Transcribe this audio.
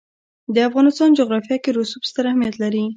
د افغانستان جغرافیه کې رسوب ستر اهمیت لري.